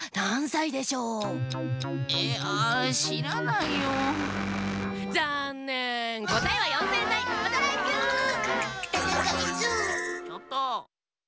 ちょっと！